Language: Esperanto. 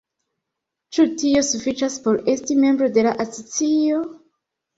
Ĉu tio sufiĉas por esti membro de la asocio?